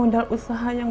dua puluh aja kurang